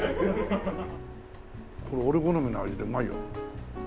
これ俺好みの味でうまいよ。